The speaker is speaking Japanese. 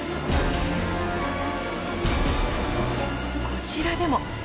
こちらでも。